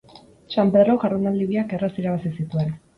San Pedrok jardunaldi biak erraz irabazi zituen.